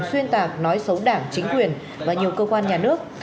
xuyên tạc nói xấu đảng chính quyền và nhiều cơ quan nhà nước